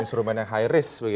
instrumen yang high risk